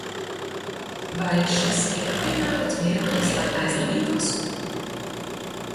Vai šis ir piemērots mirklis, lai aizlavītos?